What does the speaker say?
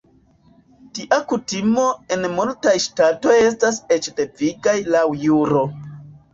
Tia kutimo en multaj ŝtatoj estas eĉ devigaj laŭ juro.